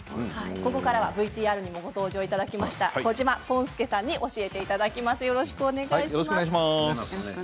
ここからは、ＶＴＲにご登場いただきましたこじまぽん助さんに教えていただきます。